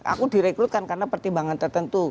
aku direkrutkan karena pertimbangan tertentu